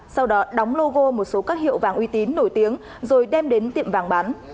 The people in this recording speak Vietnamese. sau đó đóng logo một số các hiệu vàng uy tín nổi tiếng rồi đem đến tiệm vàng bán